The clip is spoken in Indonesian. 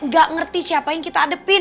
gak ngerti siapa yang kita adepin